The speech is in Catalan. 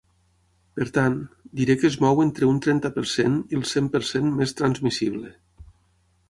Per tant, diré que es mou entre un trenta per cent i el cent per cent més transmissible.